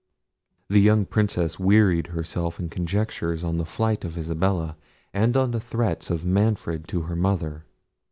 The young Princess wearied herself in conjectures on the flight of Isabella, and on the threats of Manfred to her mother.